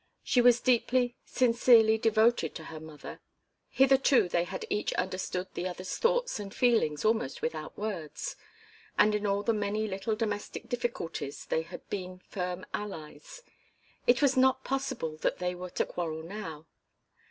She was deeply, sincerely devoted to her mother. Hitherto they had each understood the other's thoughts and feelings almost without words, and in all the many little domestic difficulties they had been firm allies. It was not possible that they were to quarrel now.